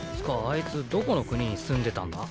あいつどこの国に住んでたんだ？